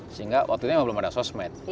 sehingga waktu itu memang belum ada sosmed